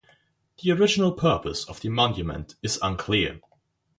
The original purpose of the monument is unclear.